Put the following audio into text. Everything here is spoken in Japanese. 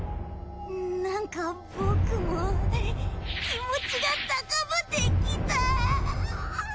なんか僕も気持ちが高ぶってきた！